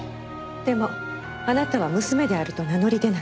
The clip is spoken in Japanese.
でもあなたは娘であると名乗り出なかった。